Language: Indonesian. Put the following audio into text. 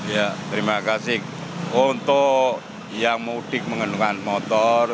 ya terima kasih untuk yang mudik menggunakan motor